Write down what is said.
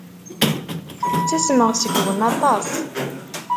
Ttasmeɣ seg-wen aṭas.